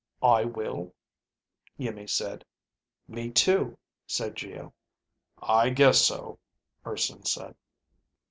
"I will," Iimmi said. "Me too," said Geo. "I guess so," Urson said.